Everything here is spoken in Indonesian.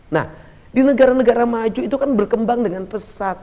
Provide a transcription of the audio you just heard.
nah di negara negara maju itu kan berkembang dengan pesat